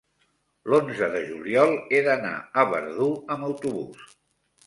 l'onze de juliol he d'anar a Verdú amb autobús.